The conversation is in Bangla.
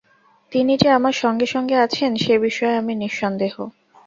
তিনি যে আমার সঙ্গে সঙ্গে আছেন, সে বিষয়ে আমি নিঃসন্দেহ।